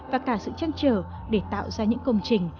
và cả sự chăn trở để tạo ra những công trình